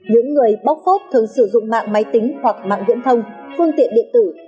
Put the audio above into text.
những người bóc khốt thường sử dụng mạng máy tính hoặc mạng viễn thông phương tiện điện tử